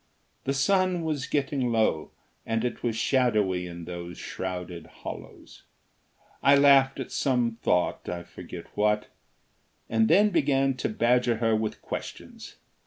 The sun was getting low and it was shadowy in those shrouded hollows. I laughed at some thought, I forget what, and then began to badger her with questions.